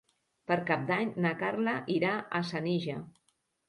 Per Cap d'Any na Carla irà a Senija.